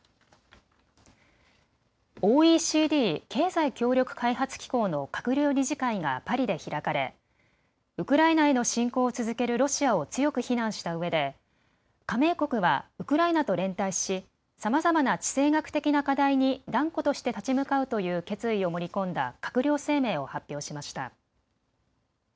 ＯＥＣＤ・経済協力開発機構の閣僚理事会がパリで開かれウクライナへの侵攻を続けるロシアを強く非難したうえで、加盟国はウクライナと連帯しさまざまな地政学的な課題に断固として立ち向かうという決意を盛り込んだ閣僚声明を発表しました。